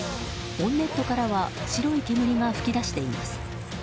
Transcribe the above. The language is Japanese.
ボンネットからは白い煙が噴き出しています。